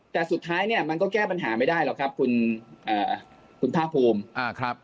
แต่สุดท้ายเนี่ยมันก็แก้ปัญหาไม่ได้หรอกครับคุณภาคภูมิ